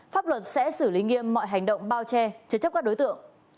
pháp luật sẽ xử lý nghiêm mọi hành động bao che chế chấp các đối tượng